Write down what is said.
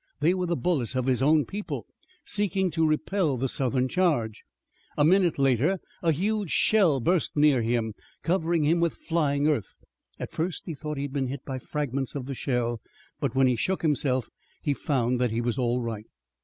They were the bullets of his own people, seeking to repel the Southern charge. A minute later a huge shell burst near him, covering him with flying earth. At first he thought he had been hit by fragments of the shell, but when he shook himself he found that he was all right.